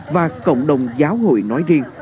và cộng đồng giáo hội nói riêng